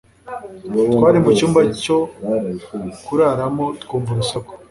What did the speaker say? twari mucyumba cyo kuraramo twumva urusasu